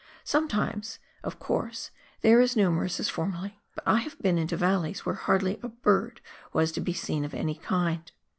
Sometimes, of course, they are as numerous as formerly, but I have been into valleys where hardly a bird was to be seen of any kind.